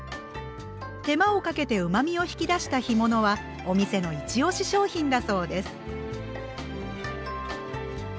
手間をかけてうまみを引き出した干物はお店の一押し商品だそうです。